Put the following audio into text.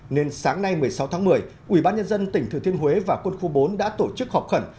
nên sáng nay một mươi sáu tháng một mươi ubnd tỉnh thừa thiên huế và quân khu bốn đã tổ chức họp khẩn